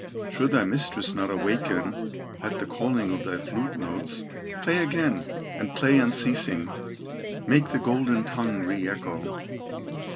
Should thy mistress not awaken At the calling of thy flute notes, Play again, and play unceasing, Make the golden tongue re echo."